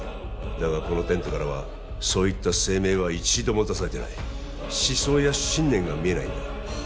だがこのテントからはそういった声明は一度も出されてない思想や信念が見えないんだは